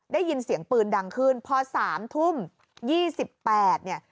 ได้ยินเสียงปืนดังขึ้นพอ๓ทุ่ม๒๘เนี่ย